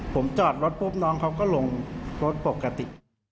ผมจอดรถปุ๊บน้องเขาก็ลงรถปกติ